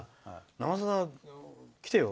「生さだ」来てよ。